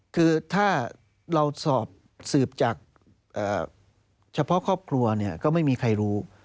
คือถ้าเราสอบสืบจากเฉพาะครอบครัวเนี่ยก็ไม่มีใครรู้